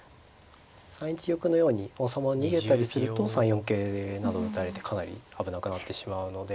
３一玉のように王様を逃げたりすると３四桂など打たれてかなり危なくなってしまうので。